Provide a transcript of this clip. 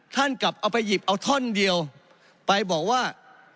กลับเอาไปหยิบเอาท่อนเดียวไปบอกว่า